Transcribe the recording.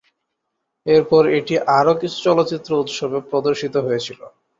এরপর এটি আরো কিছু চলচ্চিত্র উৎসবে প্রদর্শিত হয়েছিল।